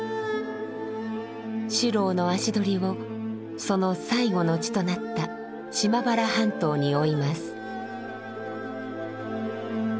四郎の足取りをその最期の地となった島原半島に追います。